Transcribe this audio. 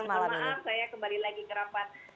jangan kemaaf saya kembali lagi ke rapat